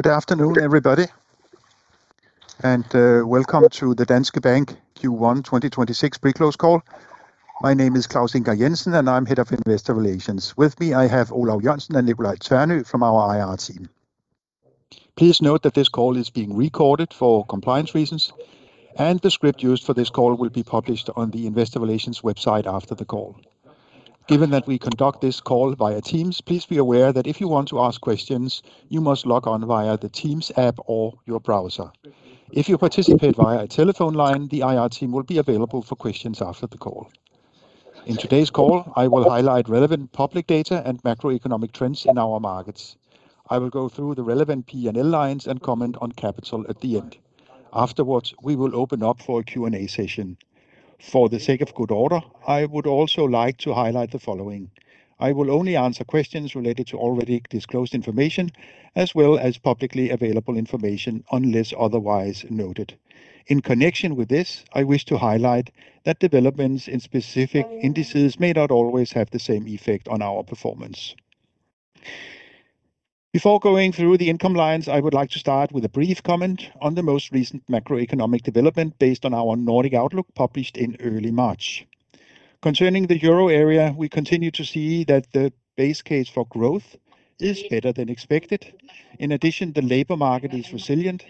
Good afternoon, everybody, and welcome to the Danske Bank Q1 2026 pre-close call. My name is Claus Ingar Jensen, and I'm Head of Investor Relations. With me, I have Olav Jørgensen and Nicolai Brun Tvernø from our IR team. Please note that this call is being recorded for compliance reasons, and the script used for this call will be published on the investor relations website after the call. Given that we conduct this call via Teams, please be aware that if you want to ask questions, you must log on via the Teams app or your browser. If you participate via a telephone line, the IR team will be available for questions after the call. In today's call, I will highlight relevant public data and macroeconomic trends in our markets. I will go through the relevant P&L lines and comment on capital at the end. Afterwards, we will open up for a Q&A session. For the sake of good order, I would also like to highlight the following. I will only answer questions related to already disclosed information, as well as publicly available information, unless otherwise noted. In connection with this, I wish to highlight that developments in specific indices may not always have the same effect on our performance. Before going through the income lines, I would like to start with a brief comment on the most recent macroeconomic development based on our Nordic Outlook, published in early March. Concerning the euro area, we continue to see that the base case for growth is better than expected. In addition, the labor market is resilient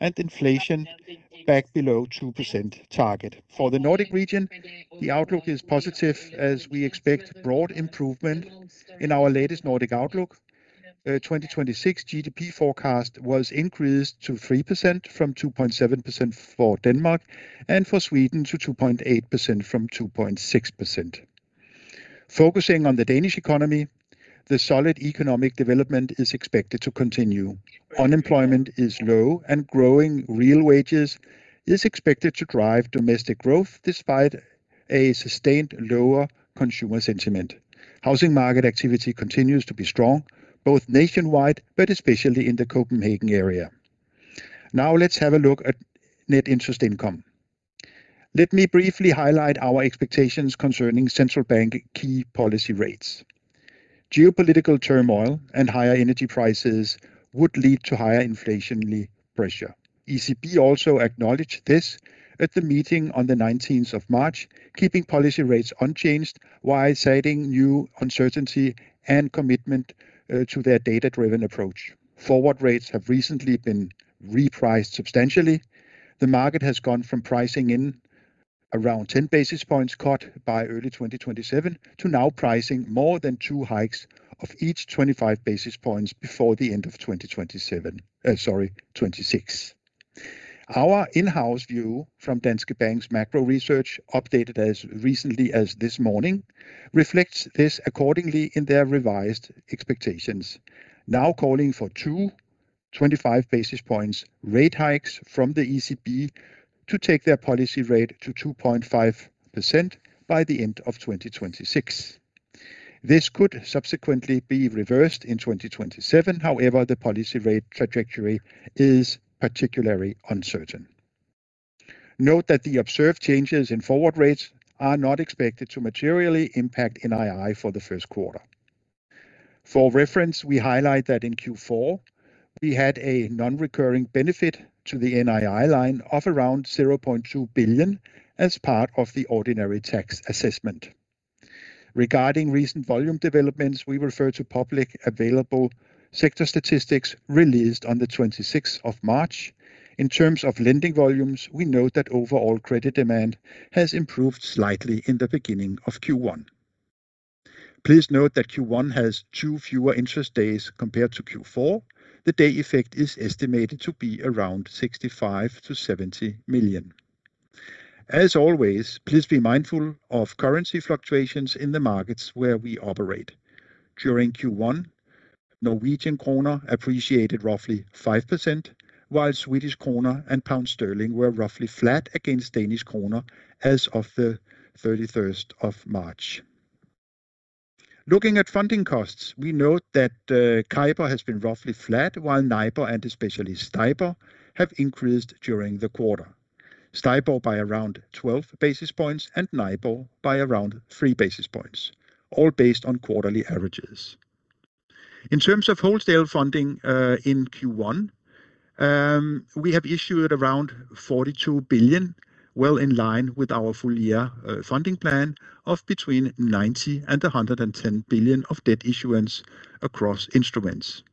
and inflation back below 2% target. For the Nordic region, the outlook is positive, as we expect broad improvement in our latest Nordic Outlook. 2026 GDP forecast was increased to 3% from 2.7% for Denmark, and for Sweden to 2.8% from 2.6%. Focusing on the Danish economy, the solid economic development is expected to continue. Unemployment is low, and growing real wages is expected to drive domestic growth despite a sustained lower consumer sentiment. Housing market activity continues to be strong, both nationwide but especially in the Copenhagen area. Now, let's have a look at net interest income. Let me briefly highlight our expectations concerning central bank key policy rates. Geopolitical turmoil and higher energy prices would lead to higher inflationary pressure. ECB also acknowledged this at the meeting on the 19th of March, keeping policy rates unchanged while citing new uncertainty and commitment to their data-driven approach. Forward rates have recently been repriced substantially. The market has gone from pricing in around 10 basis points cut by early 2027 to now pricing more than two hikes of each 25 basis points before the end of 2026. Our in-house view from Danske Bank's macro research, updated as recently as this morning, reflects this accordingly in their revised expectations, now calling for two 25 basis points rate hikes from the ECB to take their policy rate to 2.5% by the end of 2026. This could subsequently be reversed in 2027. However, the policy rate trajectory is particularly uncertain. Note that the observed changes in forward rates are not expected to materially impact NII for the first quarter. For reference, we highlight that in Q4, we had a non-recurring benefit to the NII line of around 0.2 billion as part of the ordinary tax assessment. Regarding recent volume developments, we refer to publicly available sector statistics released on the 26th of March. In terms of lending volumes, we note that overall credit demand has improved slightly in the beginning of Q1. Please note that Q1 has two fewer interest days compared to Q4. The day effect is estimated to be around 65 million-70 million. As always, please be mindful of currency fluctuations in the markets where we operate. During Q1, Norwegian kroner appreciated roughly 5%, while Swedish kroner and pound sterling were roughly flat against Danish kroner as of the 31st of March. Looking at funding costs, we note that CIBOR has been roughly flat, while NIBOR, and especially STIBOR, have increased during the quarter. STIBOR by around 12 basis points and NIBOR by around 3 basis points, all based on quarterly averages. In terms of wholesale funding, in Q1, we have issued around 42 billion, well in line with our full year funding plan of between 90 billion and 110 billion of debt issuance across instruments.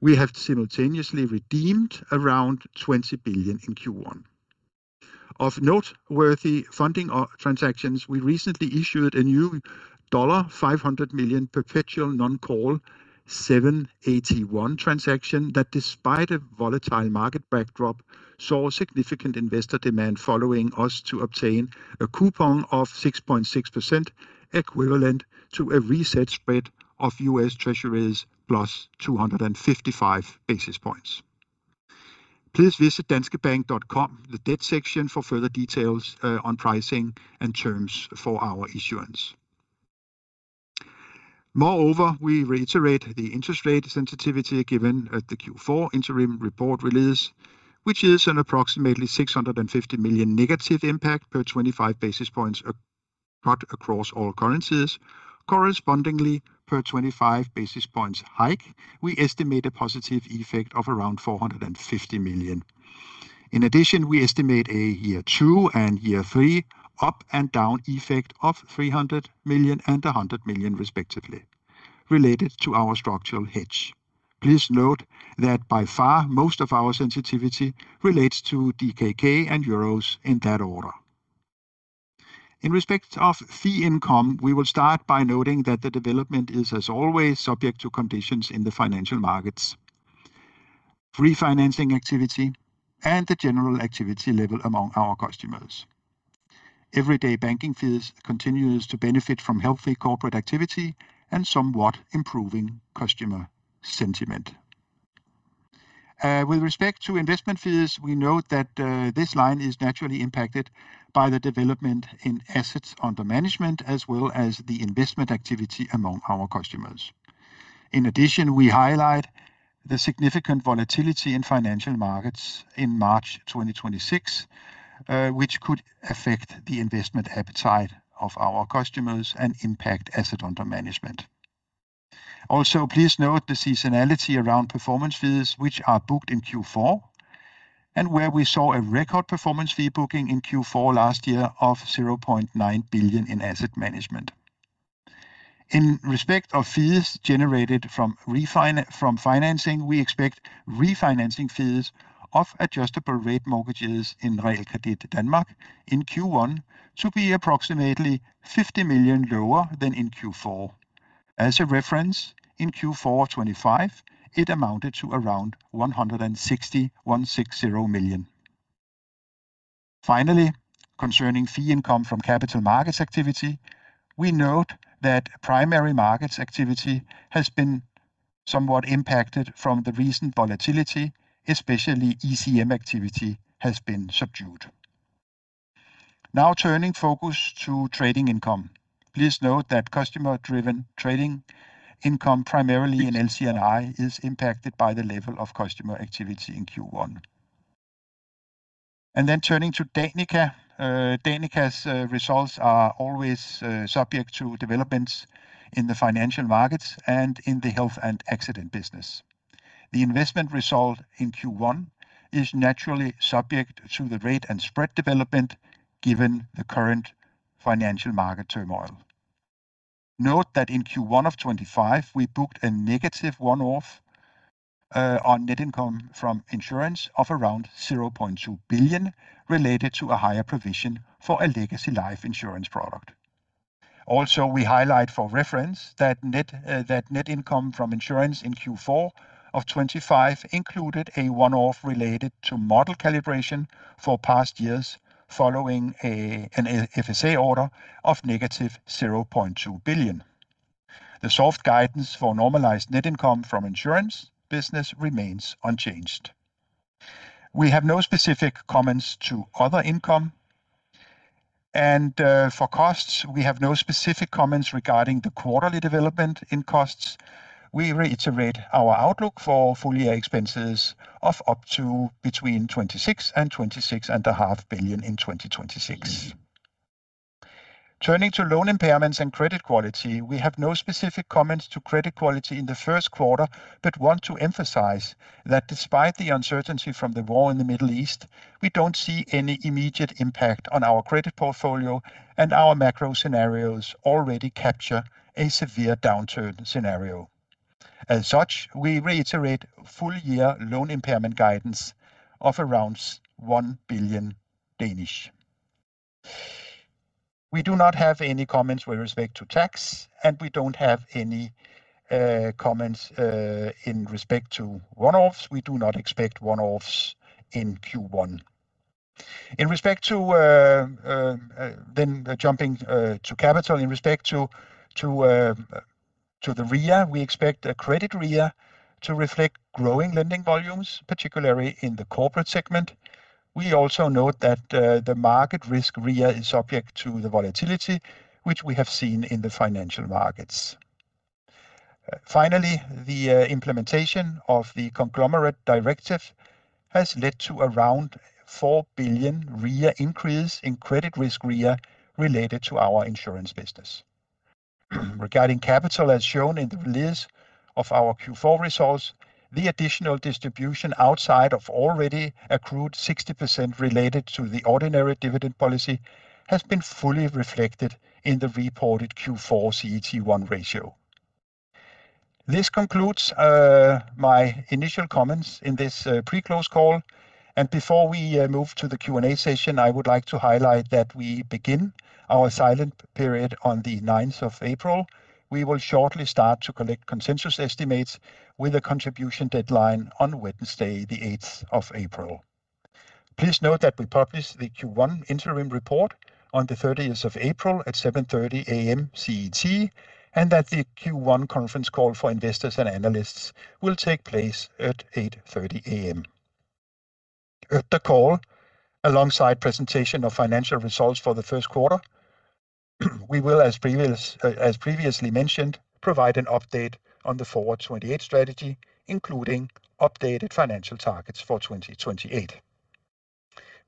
We have simultaneously redeemed around 20 billion in Q1. Of noteworthy funding or transactions, we recently issued a new dollar 500 million perpetual non-call seven eighty-one transaction that, despite a volatile market backdrop, saw significant investor demand allowing us to obtain a coupon of 6.6%, equivalent to a reset spread of US Treasuries plus 255 basis points. Please visit danskebank.com, the debt section, for further details on pricing and terms for our issuance. Moreover, we reiterate the interest rate sensitivity given at the Q4 interim report release, which is an approximately 650 million negative impact per 25 basis points but across all currencies correspondingly per 25 basis points hike, we estimate a positive effect of around 450 million. In addition, we estimate a year two and year three up and down effect of 300 million and 100 million respectively related to our structural hedge. Please note that by far most of our sensitivity relates to DKK and euros in that order. In respect of fee income, we will start by noting that the development is as always subject to conditions in the financial markets, refinancing activity, and the general activity level among our customers. Everyday banking fees continues to benefit from healthy corporate activity and somewhat improving customer sentiment. Withrespect to investment fees, we note that this line is naturally impacted by the development in assets under management as well as the investment activity among our customers. In addition, we highlight the significant volatility in financial markets in March 2026, which could affect the investment appetite of our customers and impact assets under management. Also, please note the seasonality around performance fees which are booked in Q4, and where we saw a record performance fee booking in Q4 last year of 0.9 billion in asset management. In respect of fees generated from financing, we expect refinancing fees of adjustable rate mortgages in Realkredit Danmark in Q1 to be approximately 50 million lower than in Q4. As a reference, in Q4 2025, it amounted to around 160 million. Finally, concerning fee income from capital markets activity, we note that primary markets activity has been somewhat impacted from the recent volatility, especially ECM activity has been subdued. Now turning focus to trading income. Please note that customer-driven trading income, primarily in LC&I, is impacted by the level of customer activity in Q1. Turning to Danica. Danica's results are always subject to developments in the financial markets and in the health and accident business. The investment result in Q1 is naturally subject to the rate and spread development given the current financial market turmoil. Note that in Q1 of 2025, we booked a negative one-off on net income from insurance of around 0.2 billion related to a higher provision for a legacy life insurance product. We highlight for reference that net income from insurance in Q4 of 2025 included a one-off related to model calibration for past years following an FSA order of -0.2 billion. The soft guidance for normalized net income from insurance business remains unchanged. We have no specific comments to other income. For costs, we have no specific comments regarding the quarterly development in costs. We reiterate our outlook for full year expenses of up to between 26 billion and 26.5 billion in 2026. Turning to loan impairments and credit quality, we have no specific comments to credit quality in the first quarter, but want to emphasize that despite the uncertainty from the war in the Middle East, we don't see any immediate impact on our credit portfolio, and our macro scenarios already capture a severe downturn scenario. As such, we reiterate full year loan impairment guidance of around 1 billion. We do not have any comments with respect to tax, and we don't have any comments in respect to one-offs. We do not expect one-offs in Q1. In respect to then jumping to capital, in respect to the REA, we expect a credit REA to reflect growing lending volumes, particularly in the corporate segment. We also note that the market risk REA is subject to the volatility which we have seen in the financial markets. Finally, the implementation of the conglomerate directive has led to around 4 billion REA increase in credit risk REA related to our insurance business. Regarding capital, as shown in the release of our Q4 results, the additional distribution outside of already accrued 60% related to the ordinary dividend policy has been fully reflected in the reported Q4 CET1 ratio. This concludes my initial comments in this pre-close call. Before we move to the Q&A session, I would like to highlight that we begin our silent period on the 9th of April. We will shortly start to collect consensus estimates with a contribution deadline on Wednesday, the 8th of April. Please note that we publish the Q1 interim report on the 1th of April at 7:30 A.M. CET, and that the Q1 conference call for investors and analysts will take place at 8:30 A.M. At the call, alongside presentation of financial results for the first quarter, we will, as previously mentioned, provide an update on the Forward '28 strategy, including updated financial targets for 2028.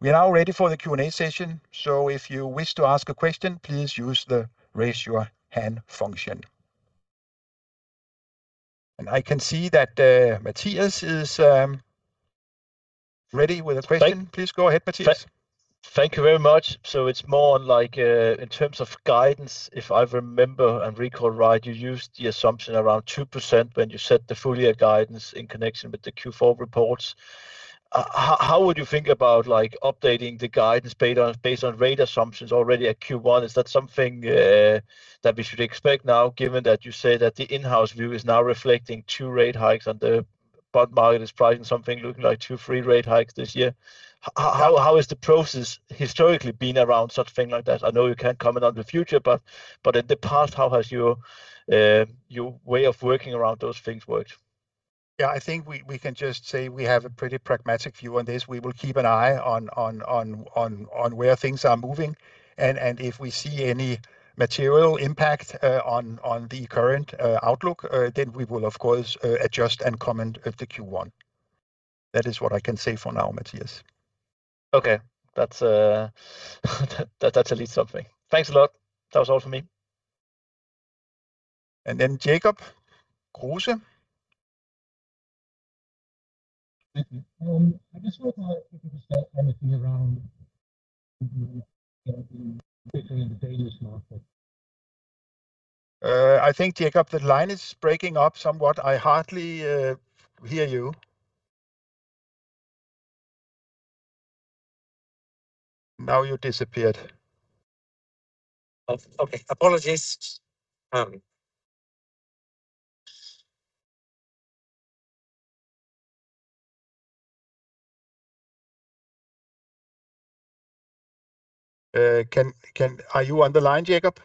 We are now ready for the Q&A session. If you wish to ask a question, please use the raise your hand function. I can see that, Matthias is ready with a question. Please go ahead, Mathias. Thank you very much. It's more on, like, in terms of guidance. If I remember and recall right, you used the assumption around 2% when you set the full year guidance in connection with the Q4 reports. How would you think about, like, updating the guidance based on rate assumptions already at Q1? Is that something that we should expect now, given that you say that the in-house view is now reflecting two rate hikes and the bond market is pricing something looking like two free rate hikes this year? How has the process historically been around such thing like that? I know you can't comment on the future, but in the past, how has your way of working around those things worked? Yeah, I think we can just say we have a pretty pragmatic view on this. We will keep an eye on where things are moving, and if we see any material impact on the current outlook, then we will of course adjust and comment at the Q1. That is what I can say for now, Mathias. Okay. That's at least something. Thanks a lot. That was all for me. Jacob Kruse. Thank you. I just wonder if you could say anything around the Danish market. I think, Jacob, the line is breaking up somewhat. I hardly hear you. Now you disappeared. Oh, okay. Apologies. Are you on the line, Jacob?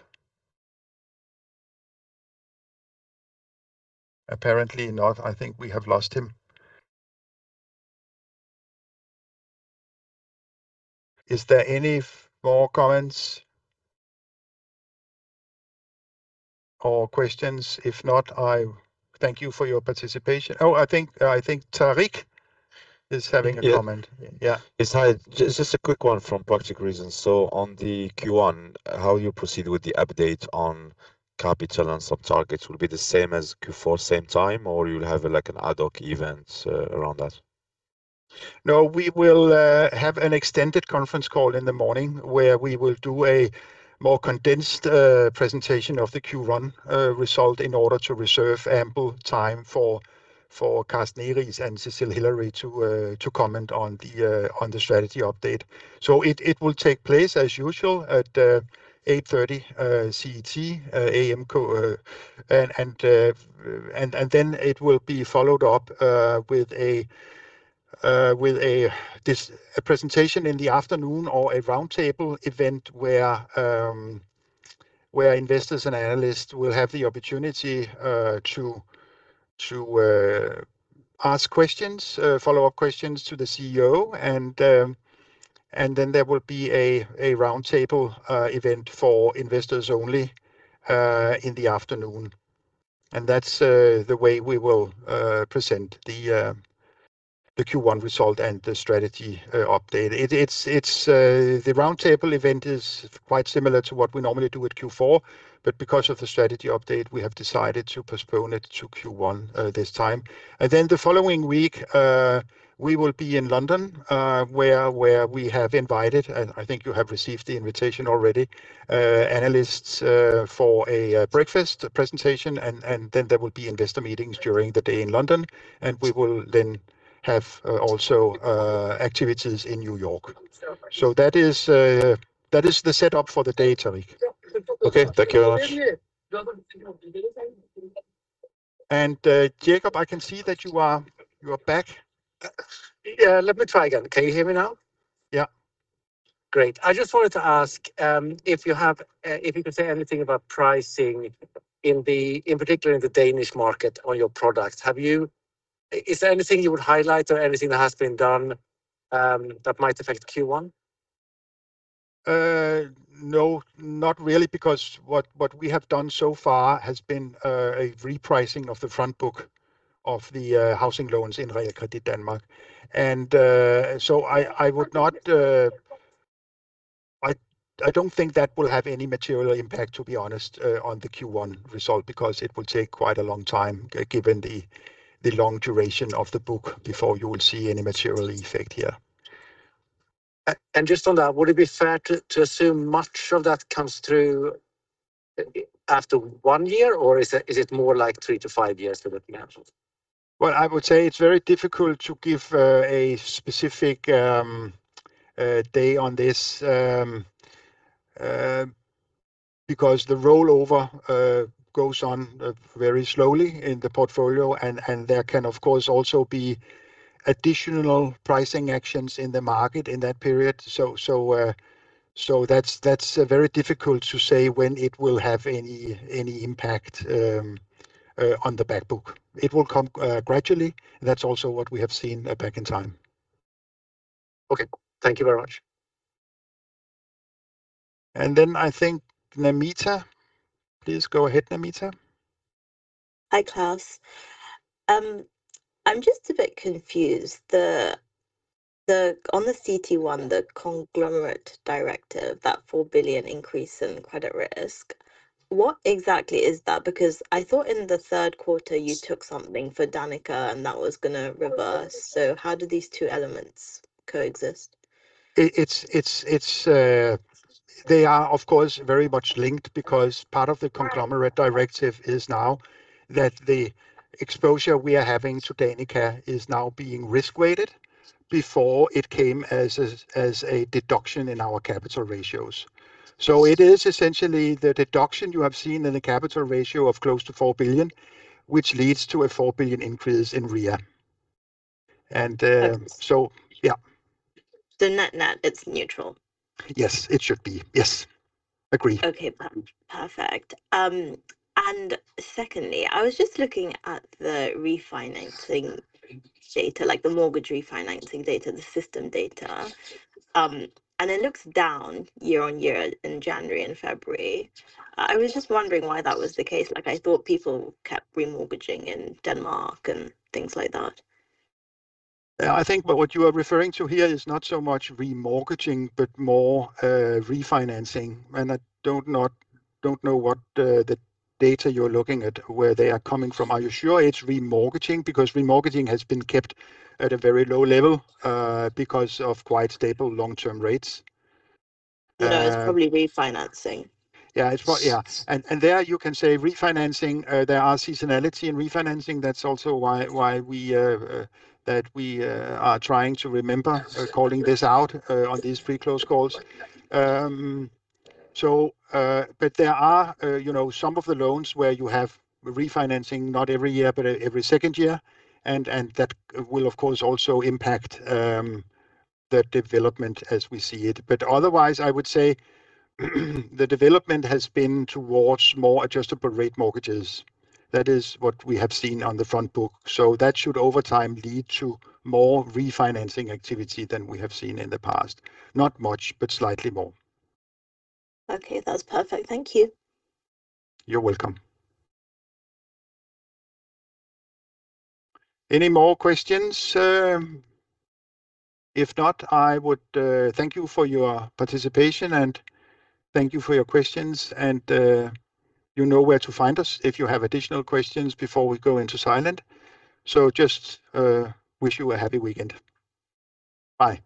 Apparently not. I think we have lost him. Is there any more comments or questions? If not, I thank you for your participation. Oh, I think Tariq is having a comment. Yeah. Yeah. It's just a quick one from practical reasons. On the Q1, how you proceed with the update on capital and sub targets will be the same as Q4 same time, or you'll have, like, an ad hoc event around that? No, we will have an extended conference call in the morning where we will do a more condensed presentation of the Q1 result in order to reserve ample time for Carsten Egeriis and Cecile Hillary to comment on the strategy update. It will take place as usual at 8:30 A.M. CET, and then it will be followed up with a presentation in the afternoon or a round table event where investors and analysts will have the opportunity to ask questions, follow-up questions to the CEO and then there will be a round table event for investors only in the afternoon. That's the way we will present the Q1 result and the strategy update. It's the round table event is quite similar to what we normally do at Q4, but because of the strategy update, we have decided to postpone it to Q1 this time. Then the following week, we will be in London, where we have invited, and I think you have received the invitation already, analysts for a breakfast presentation, and then there will be investor meetings during the day in London. We will then have also activities in New York. That is the setup for the day, Tariq. Okay. Thank you very much. Jacob, I can see that you are back. Yeah, let me try again. Can you hear me now? Yeah. Great. I just wanted to ask if you could say anything about pricing, in particular in the Danish market on your products. Is there anything you would highlight or anything that has been done that might affect Q1? No, not really, because what we have done so far has been a repricing of the front book of the housing loans in Realkredit Danmark. I don't think that will have any material impact, to be honest, on the Q1 result because it will take quite a long time given the long duration of the book before you will see any material effect here. Just on that, would it be fair to assume much of that comes through after one year, or is it more like three to five years till it matches? Well, I would say it's very difficult to give a specific day on this because the rollover goes on very slowly in the portfolio and there can of course also be additional pricing actions in the market in that period. That's very difficult to say when it will have any impact on the back book. It will come gradually, and that's also what we have seen back in time. Okay. Thank you very much. I think Namita. Please go ahead, Namita. Hi, Claus. I'm just a bit confused. On the CET1, the Conglomerate Directive, that 4 billion increase in credit risk, what exactly is that? Because I thought in the third quarter you took something for Danica and that was gonna reverse. How do these two elements coexist? It's they are of course very much linked because part of the conglomerate directive is now that the exposure we are having to Danica is now being risk-weighted. Before it came as a deduction in our capital ratios. It is essentially the deduction you have seen in the capital ratio of close to 4 billion, which leads to a 4 billion increase in REA. Yeah. Net-net, it's neutral? Yes. It should be. Yes. Agree. Okay. Perfect. Secondly, I was just looking at the refinancing data, like the mortgage refinancing data, the system data, and it looks down year-over-year in January and February. I was just wondering why that was the case. Like, I thought people kept remortgaging in Denmark and things like that. Yeah, I think what you are referring to here is not so much remortgaging, but more, refinancing. I don't know what the data you're looking at, where they are coming from. Are you sure it's remortgaging? Because remortgaging has been kept at a very low level, because of quite stable long-term rates. No, it's probably refinancing. Yeah. There you can say refinancing. There are seasonality in refinancing. That's also why we are trying to remember calling this out on these pre-close calls. There are, you know, some of the loans where you have refinancing not every year but every second year, and that will of course also impact the development as we see it. Otherwise I would say the development has been towards more adjustable rate mortgages. That is what we have seen on the front book. That should over time lead to more refinancing activity than we have seen in the past. Not much, but slightly more. Okay, that's perfect. Thank you. You're welcome. Any more questions? If not, I would thank you for your participation and thank you for your questions. You know where to find us if you have additional questions before we go into silent. Just wish you a happy weekend. Bye.